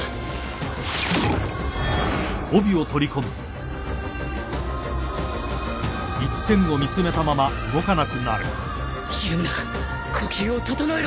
ひるむな呼吸を整えろ